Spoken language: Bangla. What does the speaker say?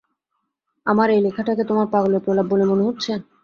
আমার এই লেখাটাকে তোমার পাগলের প্রলাপ বলে মনে হচ্ছে?